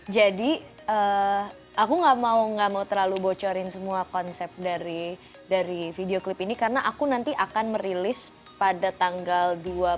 jadi aku nggak mau terlalu bocorin semua konsep dari video clip ini karena aku nanti akan merilis pada tanggal dua puluh tujuh